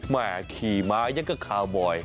แม่ขี่ม้ายังก็คาวบอย